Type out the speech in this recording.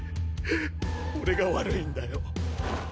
俺が悪いんだよ。